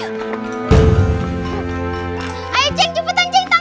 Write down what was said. ada di sini bua tau sumpah